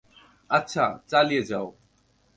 আচ্ছা, চালিয়ে যাও।